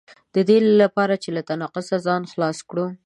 د دې لپاره چې له تناقضه ځان خلاص کړو.